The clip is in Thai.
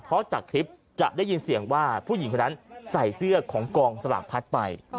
เพราะจากคลิปจะได้ยินเสียงว่าผู้หญิงคนนั้นใส่เสื้อของกองสลากพัดไป